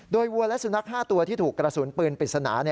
โดยวัวและสุนัข๕ตัวที่ถูกกระสุนปืนปริศนา